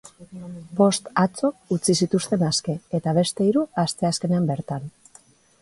Bost atzo utzi zituzten aske, eta beste hiru, asteazkenean bertan.